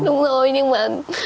đúng rồi nhưng mà